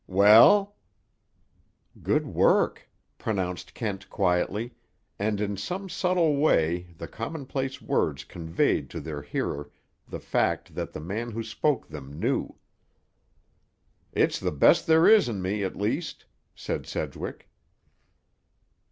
"Well?" "Good work," pronounced Kent quietly, and in some subtle way the commonplace words conveyed to their hearer the fact that the man who spoke them knew. "It's the best there is in me, at least," said Sedgwick.